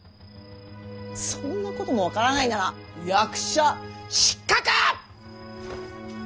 そんなことも分からないなら役者失格！